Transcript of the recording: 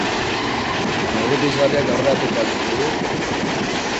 Neurri pizgarriak aurreratuko al ditu?